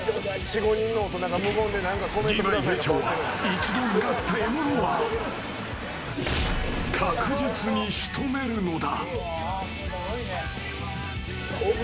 リヴァイ兵長は一度狙った獲物は確実に仕留めるのだ。